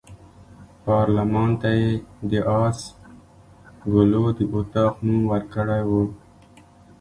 پارلمان ته یې د آس ګلو د اطاق نوم ورکړی وو.